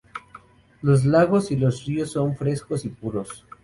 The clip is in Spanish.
Los lagos y los ríos son frescos y puros.